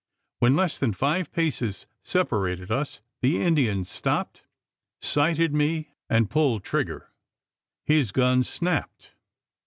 When less than five paces separated us, the Indian stopped, sighted me and pulled trigger. His gun snapped!